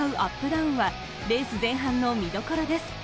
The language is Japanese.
ダウンはレース前半の見どころです。